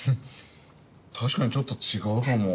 確かにちょっと違うかも。